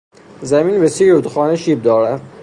زمین به سوی رودخانه شیب دارد.